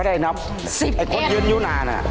สิบเอช